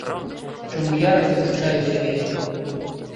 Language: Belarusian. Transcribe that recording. Чаму я распушчаю сябе?